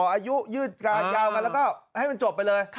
อายุยืดการยาวกันแล้วก็ให้มันจบไปเลย